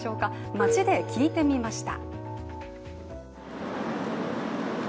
街で聞いてみました。